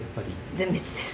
全滅です。